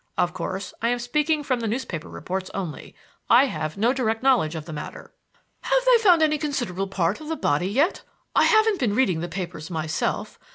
Of course, I am speaking from the newspaper reports only; I have no direct knowledge of the matter." "Have they found any considerable part of the body yet? I haven't been reading the papers myself.